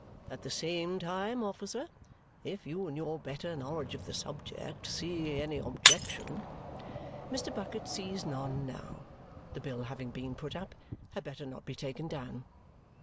At the same time, officer, if you in your better knowledge of the subject see any objection " Mr. Bucket sees none now; the bill having been put up, had better not be taken down.